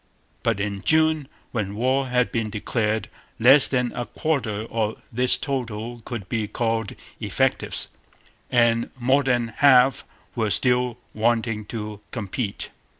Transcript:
But in June, when war had been declared, less than a quarter of this total could be called effectives, and more than half were still wanting to complete.'